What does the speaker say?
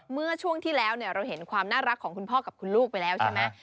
เมื่อช่วงที่แล้วเราเห็นความน่ารักของคุณพ่อกับคุณลูกไปแล้วใช่ไหม